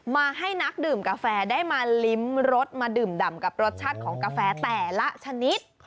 มาให้นักดื่มกาแฟได้มาลิ้มรสมาดื่มดำกับรสชาติของกาแฟแต่ละชนิด